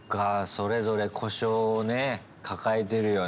それぞれ故障をね抱えてるよね。